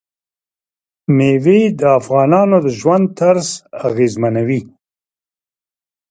مېوې د افغانانو د ژوند طرز اغېزمنوي.